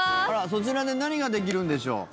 そちらで何ができるんでしょう。